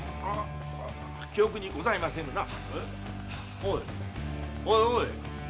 おいおいおい！